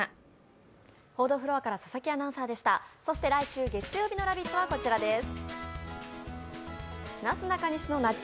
来週月曜日の「ラヴィット！」はこちらです。